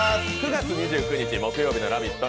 ９月２９日木曜日の「ラヴィット！」